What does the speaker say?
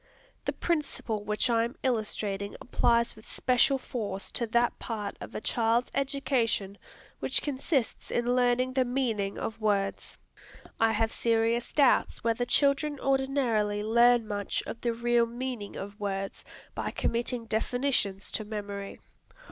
The principle which I am illustrating applies with special force to that part of a child's education which consists in learning the meaning of words. I have serious doubts whether children ordinarily learn much of the real meaning of words by committing definitions to memory.